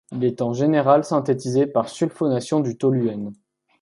Il est en général synthétisé par sulfonation du toluène.